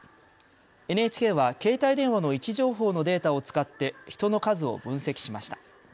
ＮＨＫは携帯電話の位置情報のデータを使って人の数を分析しました。